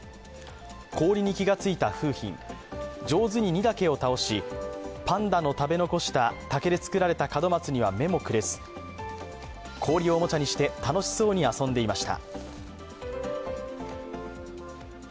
氷に気が付いた楓浜上手に２だけ倒しパンダの食べ残した竹で作られた門松には目もくれず氷をおもちゃにして楽しそうに遊んでいました。